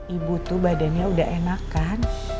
ibu tuh badannya udah enakan